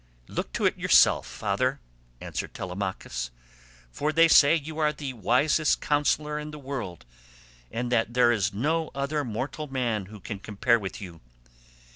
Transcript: "Look to it yourself, father," answered Telemachus, "for they say you are the wisest counsellor in the world, and that there is no other mortal man who can compare with you.